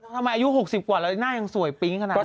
ทำไมอายุ๖๐กว่าแล้วก็หน้ายังสวยปิ๊งขนาดนี้